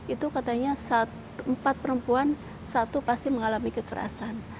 itu katanya empat perempuan satu pasti mengalami kekerasan